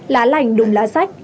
lá lành đùm lá sách